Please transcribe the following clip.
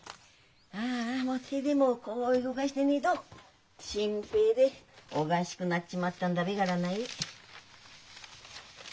ああ手でもこう動かしてねえと心配でおかしくなっちまったんだべがらない。